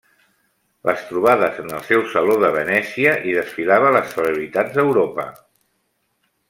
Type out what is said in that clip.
Les trobades en el seu Saló de Venècia hi desfilava les celebritats d'Europa.